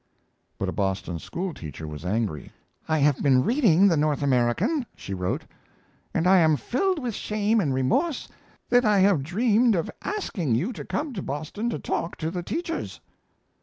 But a Boston school teacher was angry. "I have been reading the North American," she wrote, "and I am filled with shame and remorse that I have dreamed of asking you to come to Boston to talk to the teachers."